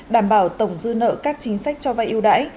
đảm bảo tổng dư nợ các chính sách cho vay yêu đãi